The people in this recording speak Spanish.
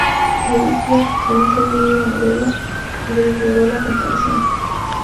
A Whistler, que nunca había leído la novela, le desagradó la comparación.